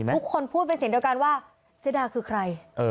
ทุกคนพูดเป็นเสียงเดียวกันว่าเจ๊ดาคือใคร